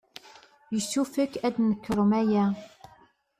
Yessefk ad tnekṛem aya.